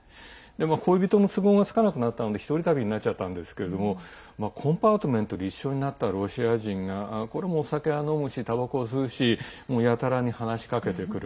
恋人の都合がつかなくなったので１人旅になっちゃったんですけれどもコンパートメントで一緒になったロシア人がこれ、もうお酒は飲むし、たばこは吸うしやたらに話しかけてくる。